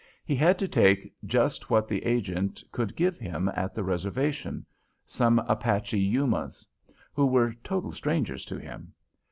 He had to take just what the agent could give him at the reservation, some Apache Yumas, who were total strangers to him.